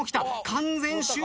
完全終了か！？